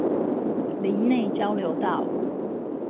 林內交流道